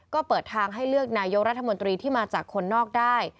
ก็เปิดทางให้เลือกนายกรัฐมนตรีที่มาจากคนนอกได้